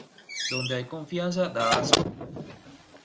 Donde hay confianza, da asco.